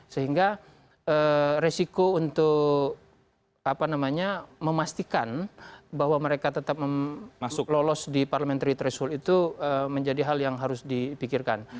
sehingga resiko untuk memastikan bahwa mereka tetap masuk lolos di parliamentary threshold itu menjadi hal yang harus dipikirkan